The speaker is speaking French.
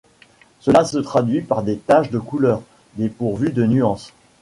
Cela se traduit par des taches de couleur, dépourvues de nuances.